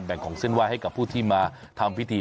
แบ่งของเส้นว่ายให้กับผู้ที่มาทำพิธี